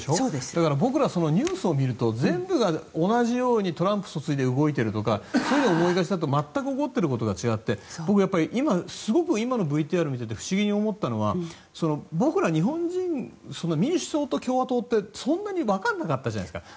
だから、僕らはニュースを見ると全部が同じようにトランプ氏で動いているかというと全く思っていることと違って僕、すごく今のＶＴＲを見ていて不思議に思ったのは僕ら日本人、民主党と共和党ってそんなにわからなかったじゃないですか。